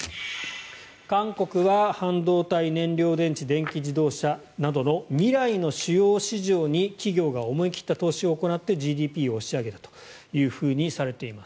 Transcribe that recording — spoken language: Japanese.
韓国は半導体、燃料電池電気自動車などの未来の主要市場に企業が思い切った投資を行ってＧＤＰを押し上げたというふうにされています。